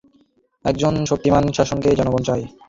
সিংহাসনে একজন শক্তিমান শাসককেই জনগণ চায়।